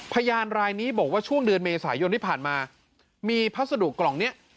พยานรายนี้บอกว่าช่วงเดือนเมษายนที่ผ่านมามีพัสดุกล่องนี้